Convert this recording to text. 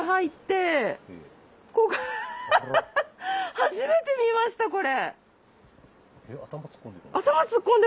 初めて見ましたこれ！